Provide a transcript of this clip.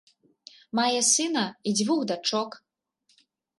Мае сына і дзвюх дачок.